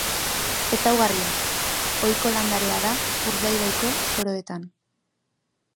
Ezaugarriak: Ohiko landarea da Urdaibaiko soroetan.